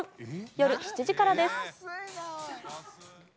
夜７時からです。